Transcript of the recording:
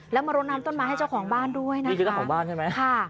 แล้วมารดน้ำต้นไม้ให้เจ้าของบ้านด้วยนะนี่คือเจ้าของบ้านใช่ไหมค่ะ